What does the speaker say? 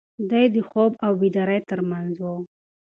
دی د خوب او بیدارۍ تر منځ و.